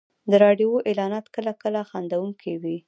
د راډیو اعلانونه کله کله خندونکي وي.